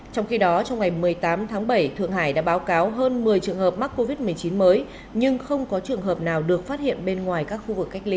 trong khi đó trong ngày một mươi tám tháng bảy thượng hải đã báo cáo hơn một mươi trường hợp mắc covid một mươi chín mới nhưng không có trường hợp nào được phát hiện bên ngoài các khu vực cách ly